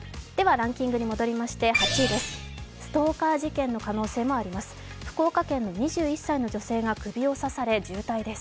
ランキングに戻りまして、８位です。